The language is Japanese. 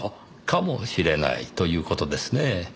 かもしれないという事ですね。